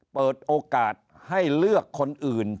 เปิดโอกาสให้เลือกคนอื่น